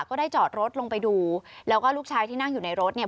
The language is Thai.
ก็ได้จอดรถลงไปดูแล้วก็ลูกชายที่นั่งอยู่ในรถเนี่ย